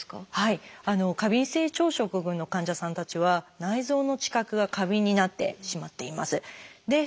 過敏性腸症候群の患者さんたちは内臓の知覚が過敏になってしまっています。